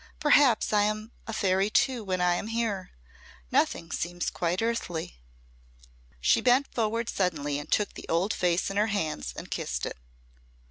"Perhaps I am a fairy too when I am here. Nothing seems quite earthly." She bent forward suddenly and took the old face in her hands and kissed it.